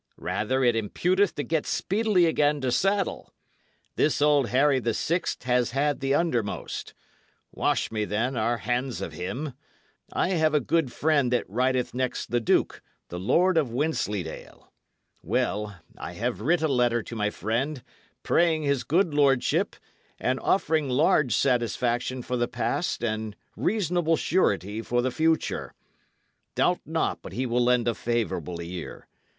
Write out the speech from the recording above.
Rather it imputeth to get speedily again to saddle. This old Harry the Sixt has had the undermost. Wash we, then, our hands of him. I have a good friend that rideth next the duke, the Lord of Wensleydale. Well, I have writ a letter to my friend, praying his good lordship, and offering large satisfaction for the past and reasonable surety for the future. Doubt not but he will lend a favourable ear.